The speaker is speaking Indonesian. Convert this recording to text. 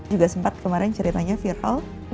juga sempat kemarin ceritanya viral